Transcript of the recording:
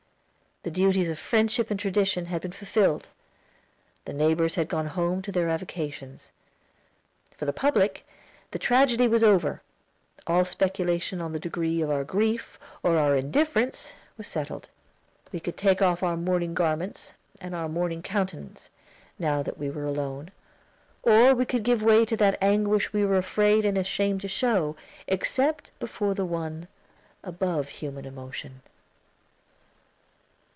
The duties of friendship and tradition had been fulfilled; the neighbors had gone home to their avocations. For the public, the tragedy was over; all speculation on the degree of our grief, or our indifference, was settled. We could take off our mourning garments and our mourning countenance, now that we were alone; or we could give way to that anguish we are afraid and ashamed to show, except before the One above human emotion.